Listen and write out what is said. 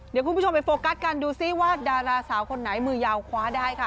เดี๋ยวคุณผู้ชมไปโฟกัสกันดูซิว่าดาราสาวคนไหนมือยาวคว้าได้ค่ะ